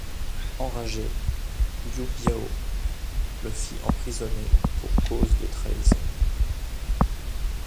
Enragé, Liu Biao le fit emprisonner pour cause de trahison.